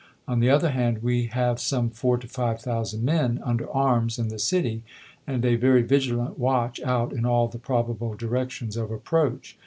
On the other hand, we have some four to five thousand men under arms in the city, and a very vigilant watch out in all the probable directions of approach.